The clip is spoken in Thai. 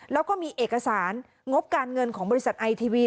แล้วก็มีเอกสารงบการเงินของบริษัทไอทีวี